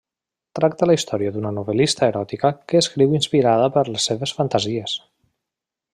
Tracta la història d'una novel·lista eròtica que escriu inspirada per les seves fantasies.